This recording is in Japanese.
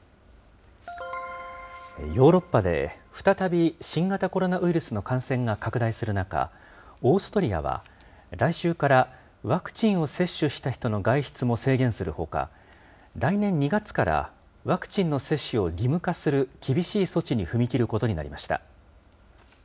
ヨーロッパで再び、新型コロナウイルスの感染が拡大する中、オーストリアは来週からワクチンを接種した人の外出も制限するほか、来年２月からワクチンの接種を義務化する厳しい措置に踏み切ることになりました。